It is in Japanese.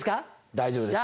大丈夫です。